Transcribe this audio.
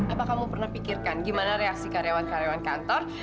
apa kamu pernah pikirkan gimana reaksi karyawan karyawan kantor